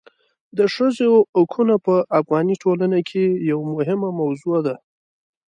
د ښځو حقونه په افغاني ټولنه کې یوه مهمه موضوع ده.